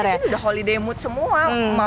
mereka di sini sudah holiday mood semua